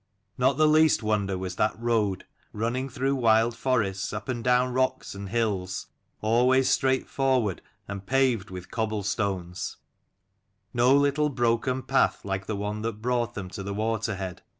Not the least wonder was that road, running through wild forests, up and down rocks and hills, always straight forward, and paved with cobble stones; no little broken path like the one that brought them to the water head.